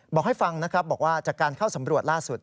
บอกให้ฟังนะครับบอกว่าจากการเข้าสำรวจล่าสุด